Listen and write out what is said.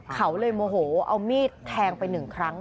เขาเลยโมโหเอามีดแทงไปหนึ่งครั้ง